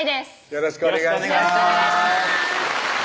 よろしくお願いします